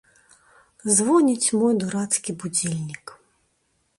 Звоніць мой дурацкі будзільнік!